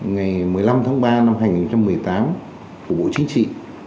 ngày một mươi năm tháng ba năm hai nghìn một mươi tám của bộ chính trị